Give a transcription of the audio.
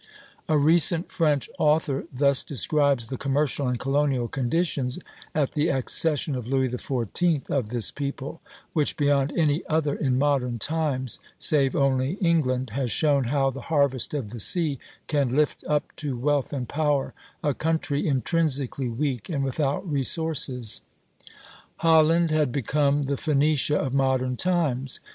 A recent French author thus describes the commercial and colonial conditions, at the accession of Louis XIV., of this people, which beyond any other in modern times, save only England, has shown how the harvest of the sea can lift up to wealth and power a country intrinsically weak and without resources: "Holland had become the Phoenicia of modern times.